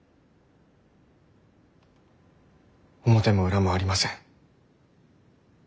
表も裏もありません。